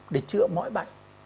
để chữa mỏi bệnh